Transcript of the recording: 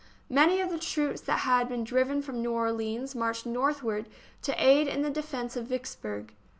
Many of the troops that had been driven from New Orleans marched northward to aid in the defence of Vicks burg.